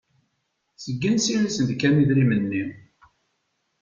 Seg ansi i sent-d-kan idrimen-nni?